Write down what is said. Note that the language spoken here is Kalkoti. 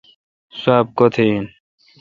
سواب کوتھ این۔